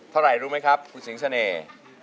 เท่าไหร่รู้ไหมครับคุณสิงเสน่ห์